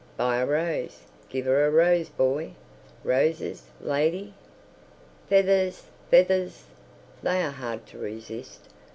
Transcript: "Buy a rose. Give 'er a rose, boy. Roses, lady?" "Fevvers! Fevvers!" They are hard to resist.